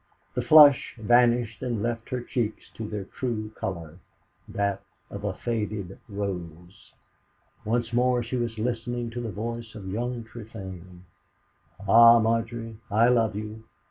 The flush vanished and left her cheeks to their true colour, that of a faded rose. Once more she was listening to the voice of young Trefane, "Ah, Margery, I love you!"